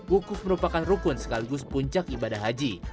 wukuf merupakan rukun sekaligus puncak ibadah haji